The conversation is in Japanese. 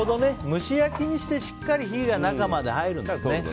蒸し焼きにするとしっかり火が中に入るんですね。